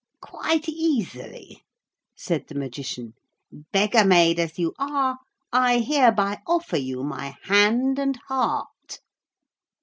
'Quite easily,' said the Magician, 'beggar maid as you are, I hereby offer you my hand and heart.'